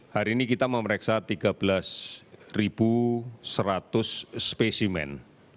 hari ini kita memeriksa tiga belas seratus spesimen